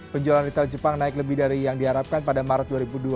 penjualan retail jepang naik lebih dari yang diharapkan pada maret dua ribu dua puluh